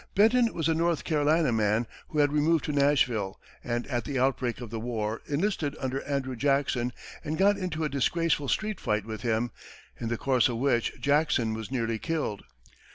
Benton was a North Carolina man who had removed to Nashville, and at the outbreak of the war, enlisted under Andrew Jackson, and got into a disgraceful street fight with him, in the course of which Jackson was nearly killed.